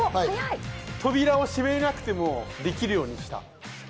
扉を閉めなくてもできるようにした。